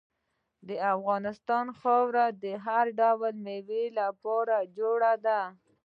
د افغانستان خاوره د هر ډول میوې لپاره جوړه ده.